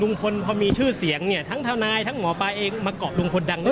พอมีชื่อเสียงเนี่ยทั้งทนายทั้งหมอปลาเองมาเกาะลุงพลดังด้วย